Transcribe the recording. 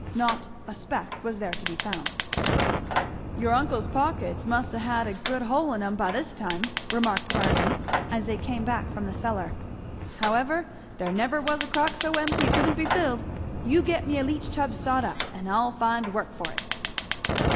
Not a speck was there to be found. "Your uncle's pockets must ha' had a good hole in 'em by this time," remarked Barby as they came back from the cellar. "However, there never was a crock so empty it couldn't be filled. You get me a leach tub sot up, and I'll find work for it."